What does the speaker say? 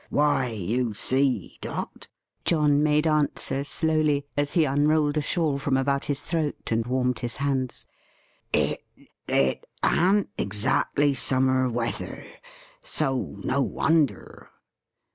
"Why, you see, Dot," John made answer, slowly, as he unrolled a shawl from about his throat; and warmed his hands; "it it an't exactly summer weather. So, no wonder."